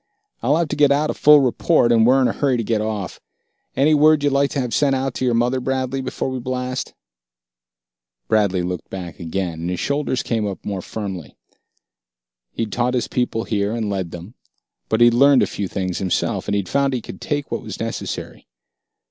I'll have to get out a full report, and we're in a hurry to get off. Any word you'd like to have sent out to your mother, Bradley, before we blast?" Bradley looked back again, and his shoulders came up more firmly. He'd taught his people here, and led them; but he'd learned a few things himself he'd found he could take what was necessary.